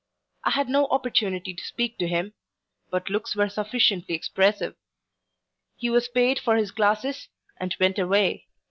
I had no opportunity to speak to him; but looks were sufficiently expressive. He was payed for his glasses, and went away.